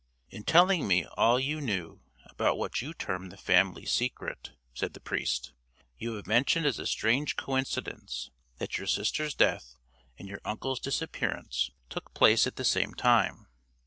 "In telling me all you knew about what you term the Family Secret," said the priest, "you have mentioned as a strange coincidence that your sister's death and your uncle's disappearance took place at the same time.